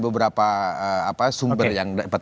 beberapa sumber yang dapat